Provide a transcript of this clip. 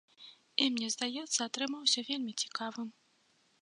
І мне здаецца, атрымаўся вельмі цікавым.